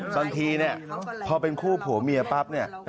บางทีเนี่ยพอเป็นคู่ผัวเมียปั๊บเนี่ย